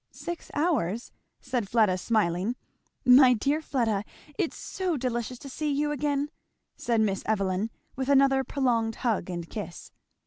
"Six hours!" said Fleda smiling. "My dear little Fleda! it's so delicious to see you again!" said Miss Evelyn with another prolonged hug and kiss.